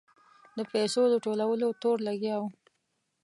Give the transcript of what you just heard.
د پیسو د ټولولو تور لګاوه.